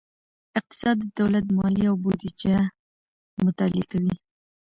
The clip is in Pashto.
اقتصاد د دولت مالیې او بودیجه مطالعه کوي.